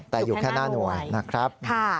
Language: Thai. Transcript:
แต่อยู่แค่หน้าหน่วยนะครับ